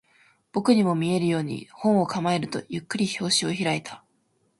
僕にも見えるように、本を構えると、ゆっくり表紙を開いた